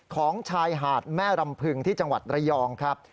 ของชายหาดแม่รำพึงที่จังหวัดระยองครับ